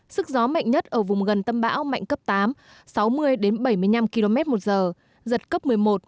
sức gió mạnh nhất ở vùng gần tâm bão mạnh cấp tám sáu mươi đến bảy mươi năm km một giờ giật cấp một mươi một